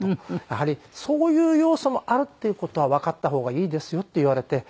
「やはりそういう要素もあるっていう事はわかった方がいいですよ」って言われて。